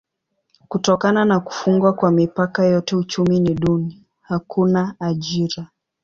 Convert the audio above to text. Kutokana na kufungwa kwa mipaka yote uchumi ni duni: hakuna ajira.